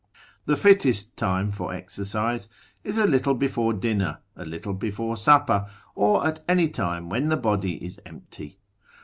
The fittest time for exercise is a little before dinner, a little before supper, or at any time when the body is empty.